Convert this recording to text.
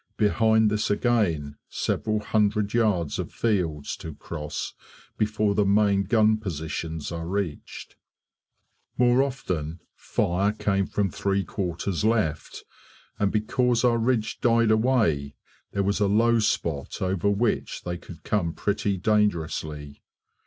Behind this again, several hundred yards of fields to cross before the main gun positions are reached. More often fire came from three quarters left, and because our ridge died away there was a low spot over which they could come pretty dangerously.